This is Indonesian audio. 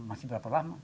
masih berapa lama